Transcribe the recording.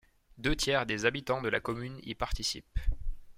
Deux tiers des habitants de la commune y participent.